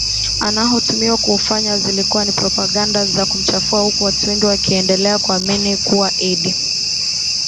anaotuhumiwa kuufanya zilikuwa ni propaganda za kumchafua huku watu wengi wakiendelea kuamini kuwa Idi